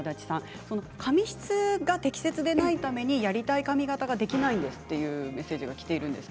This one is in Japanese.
髪質が適切でないためにやりたい髪形ができないですというメッセージがきています。